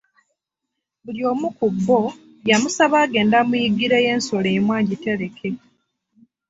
Buli omu ku bo yamusaba agende amuyiggireyo ensolo emu agitereke.